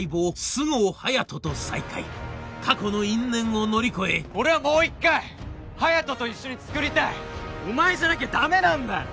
菅生隼人と再会過去の因縁を乗り越え俺はもう一回隼人と一緒に作りたいお前じゃなきゃダメなんだよ！